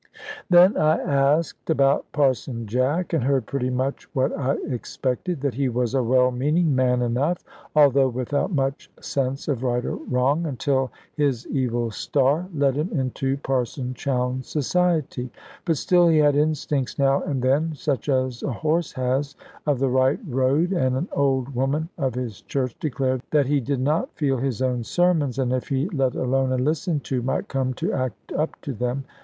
Then I asked about Parson Jack, and heard pretty much what I expected. That he was a well meaning man enough, although without much sense of right or wrong, until his evil star led him into Parson Chowne's society. But still he had instincts now and then, such as a horse has, of the right road; and an old woman of his church declared that he did feel his own sermons, and if let alone, and listened to, might come to act up to them.